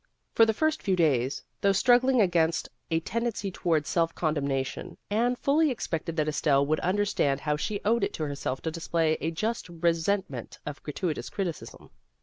For the first few days, though struggling against a tendency toward self condemnation, Anne fully expected that Estelle would under stand how she owed it to herself to display a just resentment of gratuitous criticism.